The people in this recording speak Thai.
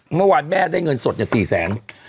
เมื่อวานแม่ได้เงินสดเนี่ย๔๐๐๐๐๐บาท